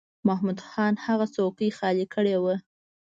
محمود خان هغه څوکۍ خالی کړې وه.